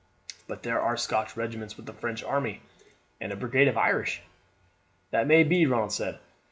"But there are Scotch regiments with the French army, and a brigade of Irish." "That may be," Ronald said.